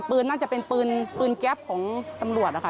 น่าจะเป็นปืนแก๊ปของตำรวจนะคะ